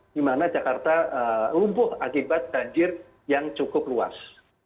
di mana jakarta lumpuh akibat banjir yang cukup luas